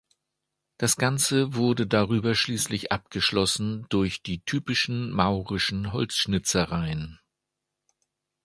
Das Ganze wurde darüber schließlich abgeschlossen durch die typischen maurischen Holzschnitzereien.